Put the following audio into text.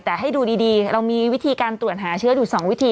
แต่ให้ดูดีเรามีวิธีการตรวจหาเชื้ออยู่๒วิธี